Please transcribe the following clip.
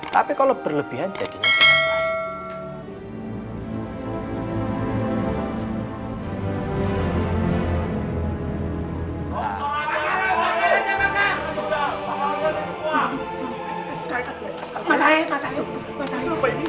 tapi kalau berlebihan jadinya kesalahan